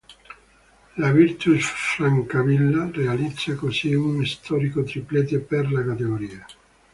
La Virtus Francavilla realizza così uno storico triplete per la categoria.